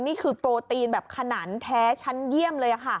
นี่คือโปรตีนแบบขนานแท้ชั้นเยี่ยมเลยค่ะ